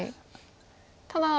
ただ。